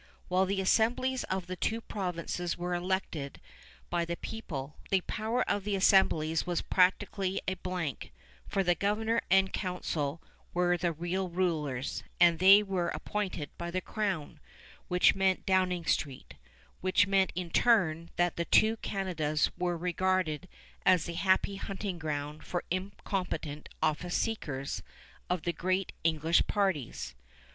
While the assemblies of the two provinces were elected by the people, the power of the assemblies was practically a blank, for the governor and council were the real rulers, and they were appointed by the Crown, which meant Downing Street, which meant in turn that the two Canadas were regarded as the happy hunting ground for incompetent office seekers of the great English parties.